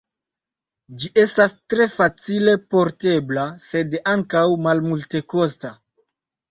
Ĝi estas tre facile portebla, sed ankaŭ malmultekosta.